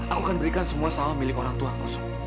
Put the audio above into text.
aku akan berikan semua sawah milik orang tuaku